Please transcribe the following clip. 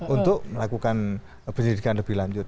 untuk melakukan penyelidikan lebih lanjut